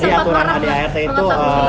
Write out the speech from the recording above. jadi aturan adrt itu